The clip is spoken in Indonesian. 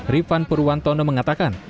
rifan purwantono mengatakan